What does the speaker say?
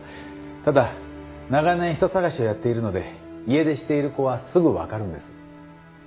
ただ長年人捜しをやっているので家出している子はすぐわかるんです。